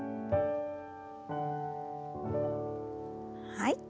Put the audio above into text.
はい。